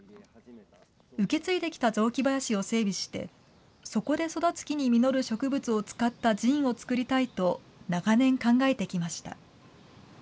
受け継いできた雑木林を整備して、そこで育つ木に実る植物を使ったジンを作りたいと長年考えてきました。